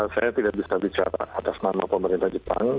saya tidak bisa bicara atas nama pemerintah jepang